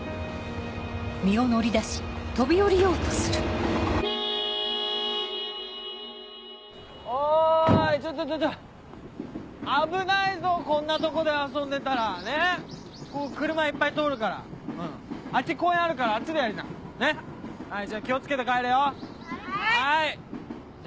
音車のクラクションおいちょっちょっ危ないぞこんなとこで遊んでたらねっここ車いっぱい通るからあっち公園あるからあっちでやりなはいじゃあ気を付けて帰れよおい